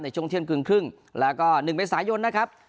ช่วงเที่ยงคืนครึ่งแล้วก็๑เมษายนนะครับ